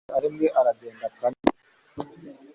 iyo ahembwe aragenda akanywa